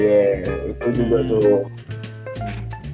iya itu juga tuh